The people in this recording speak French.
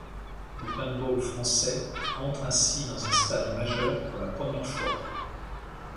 Le paintball français entre ainsi dans un stade majeur pour la première fois.